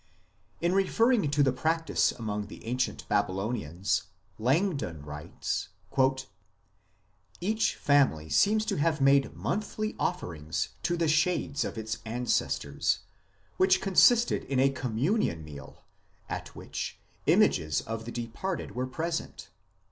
In referring to the practice among the ancient Baby lonians Langdon writes :" Each family seems to have made monthly offerings to the shades of its ancestors, which consisted in a communion meal at which images of the departed were present.